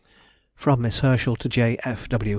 _] FROM MISS HERSCHEL TO J. F. W.